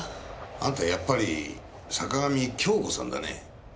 あんたやっぱり坂上恭子さんだね？